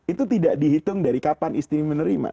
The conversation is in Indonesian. itu tidak dihitung dari kapan istri menerima